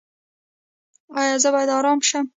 ایا زه باید ارام شم؟